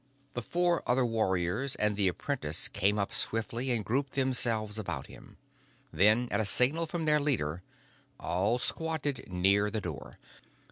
The four other warriors and the apprentice came up swiftly and grouped themselves about him. Then, at a signal from their leader, all squatted near the door.